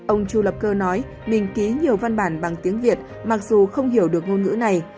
ông chu lập cơ nói mình ký nhiều văn bản bằng tiếng việt mặc dù không hiểu được ngôn ngữ này